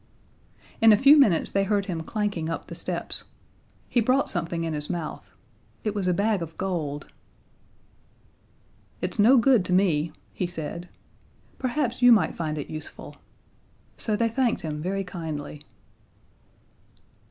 In a few minutes they heard him clanking up the steps. He brought something in his mouth it was a bag of gold. "It's no good to me," he said. "Perhaps you might find it useful." So they thanked him very kindly.